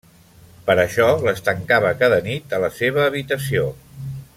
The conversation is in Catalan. Per això les tancava cada nit a la seva habitació.